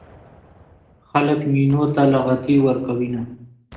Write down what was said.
خلک ميينو ته لغتې ورکوينه